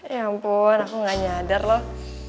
ya ampun aku gak nyadar loh